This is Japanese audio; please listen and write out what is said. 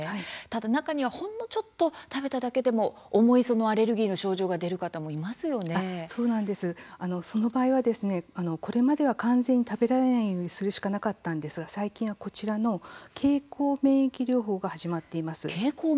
ただ中には、ほんのちょっと食べただけでも重いアレルギーの症状がその場合はこれまでは完全に食べないようにするしかなかったんですが最近はこちらの経口免疫療法が始まっています。